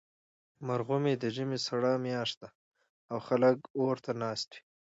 مرغومی د ژمي سړه میاشت ده، او خلک اور ته ناست وي.